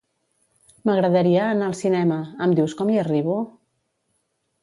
M'agradaria anar al cinema, em dius com hi arribo?